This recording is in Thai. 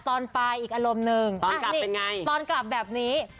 ตอนไปอีกอารมณ์หนึ่งอ่ะนี่ตอนกลับแบบนี้